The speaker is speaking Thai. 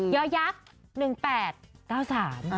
เยาะยักษ์๑๘๙๓